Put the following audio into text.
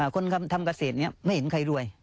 คนทำเกษตรนี้ไม่เห็นใครรวย